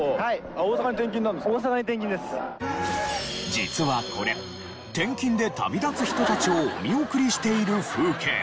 実はこれ転勤で旅立つ人たちをお見送りしている風景。